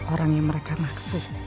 orang yang mereka maksud